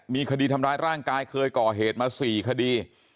มีคดีทำร้ายร่างกายเคยก่อเหตุมา๔คดี